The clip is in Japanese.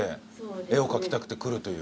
絵を描きたくて来るという。